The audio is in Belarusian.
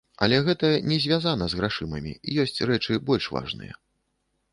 Але гэта не звязана з грашыма, ёсць рэчы больш важныя.